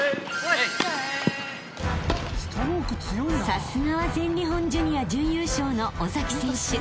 ［さすがは全日本ジュニア準優勝の尾崎選手］